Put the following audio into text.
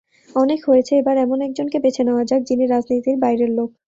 অনেক হয়েছে, এবার এমন একজনকে বেছে নেওয়া যাক, যিনি রাজনীতির বাইরের লোক।